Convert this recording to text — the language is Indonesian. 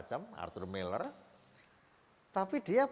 telah disper junction kedarutan di mana